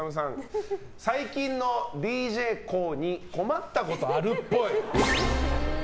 最近のＤＪＫＯＯに困ったことがあるっぽい。